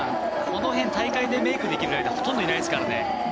この辺、大会でメイクできる人いないですからね。